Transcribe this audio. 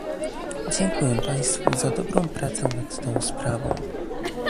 Dziękuję Państwu za dobrą pracę nad tą sprawą